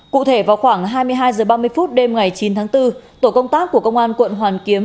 cụ thể vào khoảng hai mươi hai h ba mươi phút đêm ngày chín tháng bốn tổ công tác của công an quận hoàn kiếm